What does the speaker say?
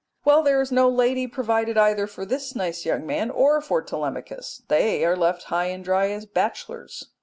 Well, there is no lady provided either for this nice young man or for Telemachus. They are left high and dry as bachelors.